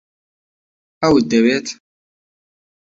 ئەوت دەوێت؟